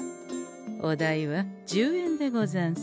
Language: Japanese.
お代は１０円でござんす。